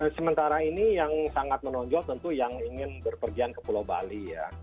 sementara ini yang sangat menonjol tentu yang ingin berpergian ke pulau bali ya